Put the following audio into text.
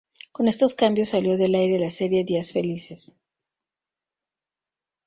Con estos cambios, salió del aire la serie "Días Felices".